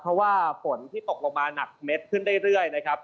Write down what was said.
เพราะว่าฝนที่ตกลงมาหนักเม็ดขึ้นเรื่อยนะครับ